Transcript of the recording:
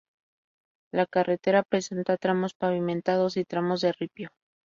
La carretera presenta tramos pavimentados y tramos de ripio.